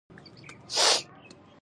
له دې نه وروسته د لمانځه وخت شو.